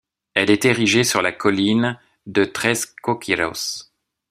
Elle est érigée sur la colline de Tres Coqueiros.